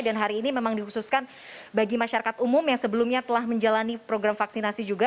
dan hari ini memang dikhususkan bagi masyarakat umum yang sebelumnya telah menjalani program vaksinasi juga